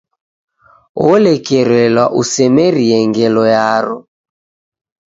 Olekerelwa usemerie ngelo yaro.